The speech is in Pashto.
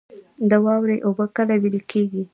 د واورې اوبه کله ویلی کیږي؟